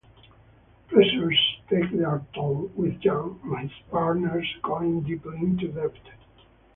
Pressures take their toll, with Jan and his partners going deeply into debt.